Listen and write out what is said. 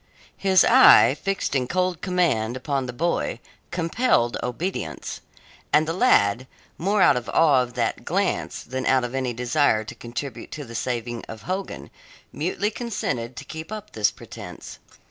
His eye, fixed in cold command upon the boy, compelled obedience. And the lad, more out of awe of that glance than out of any desire to contribute to the saving of Hogan, mutely consented to keep up this pretence.